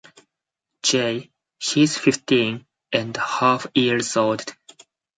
Jay: He is fifteen "and a half" years old.